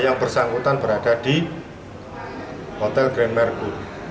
yang bersangkutan berada di hotel grand mergo